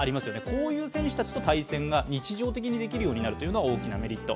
こういう選手たちと対戦が日常的にできるようになるのがメリット。